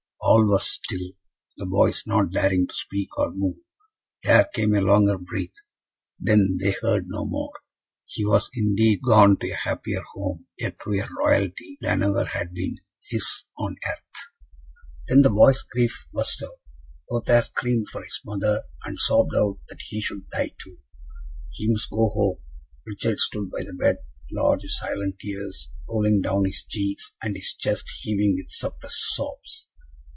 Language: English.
All was still, the boys not daring to speak or move. There came a longer breath then they heard no more. He was, indeed, gone to a happier home a truer royalty than ever had been his on earth. Then the boys' grief burst out. Lothaire screamed for his mother, and sobbed out that he should die too he must go home. Richard stood by the bed, large silent tears rolling down his cheeks, and his chest heaving with suppressed sobs.